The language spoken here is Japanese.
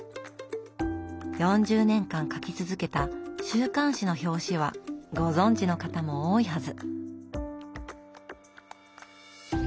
４０年間描き続けた週刊誌の表紙はご存じの方も多いはず。